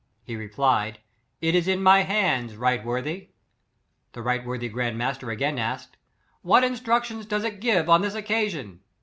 He replied, "it is in my hands, r. w.'^ The R. w. G. Master again asked, "What instructions does it give on this occa sion